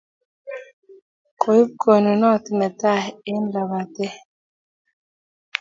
Koip konunot ne tai eng' labatetm